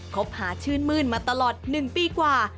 คบหาชื่นมื้นมาตลอด๑ปีกว่า